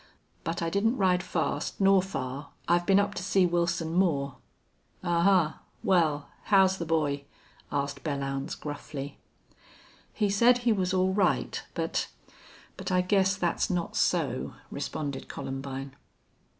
But I didn't ride fast nor far.... I've been up to see Wilson Moore." "Ahuh! Wal, how's the boy?" asked Belllounds, gruffly. "He said he was all right, but but I guess that's not so," responded Columbine.